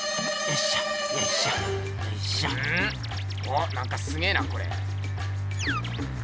おっなんかすげえなこれ。